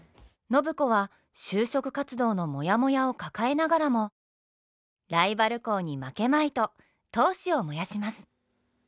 暢子は就職活動のモヤモヤを抱えながらもライバル校に負けまいと闘志を燃やします。